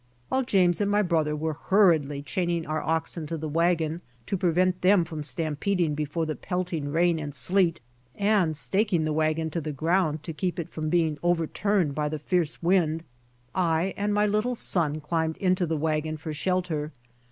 While James and my brother were hurriedly chaining our oxen to the wagon to prevent them from stampeding before the pelting rain and sleet, and staking the wagon to the ground to keep it from being overturned by the fierce wind, I and my lit tle son climbed into the wagon for shelter.